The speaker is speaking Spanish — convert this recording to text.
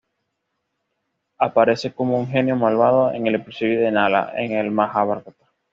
Aparece como un genio malvado en el episodio de Nala, en el "Majabhárata".